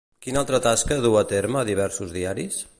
Quina altra tasca duu a terme a diversos diaris?